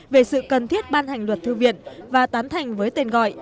về sự cần thiết ban hành luật thư viện và tán thành với tên gọi